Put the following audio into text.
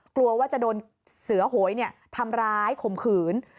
กลัวว่าจะโดนเสือโหยทำร้ายข่มขืน